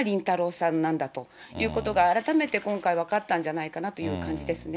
さんなんだということが、改めて今回分かったんじゃないかなという感じですね。